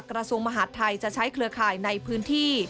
กระทรวงมหาดไทยจะใช้เครือข่ายในพื้นที่